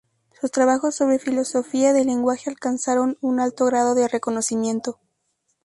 Sus trabajos sobre filosofía del lenguaje alcanzaron un alto grado de reconocimiento.